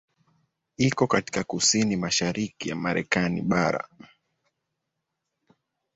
Iko katika kusini-mashariki ya Marekani bara.